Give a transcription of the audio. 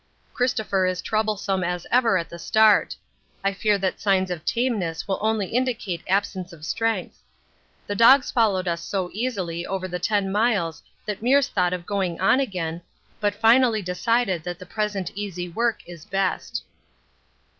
Christopher is troublesome as ever at the start; I fear that signs of tameness will only indicate absence of strength. The dogs followed us so easily over the 10 miles that Meares thought of going on again, but finally decided that the present easy work is best.